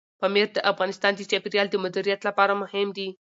پامیر د افغانستان د چاپیریال د مدیریت لپاره مهم دي.